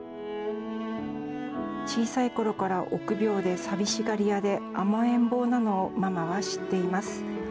小さいころから臆病で寂しがり屋で甘えん坊なのをママは知っています。